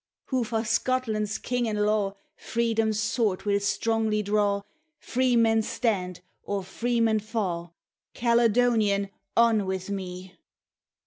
Wha for Scotland's King and law Freedom's sword will strongly draw, Free man stand, or free man fa'? Caledonian! on wi' me!